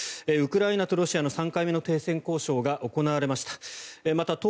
ウクライナとロシアの３回目の停戦交渉が行われました。